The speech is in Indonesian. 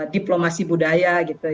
diplomasi budaya gitu ya